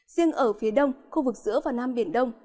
riêng ở phía đông khu vực giữa và nam biển đông